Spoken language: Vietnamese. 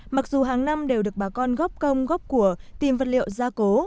mặc dù hàng năm đều được bà con góp công góp của tìm vật liệu gia cố